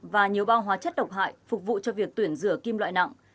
và nhiều bao hóa chất độc hại phục vụ cho việc tuyển rửa kim loại nặng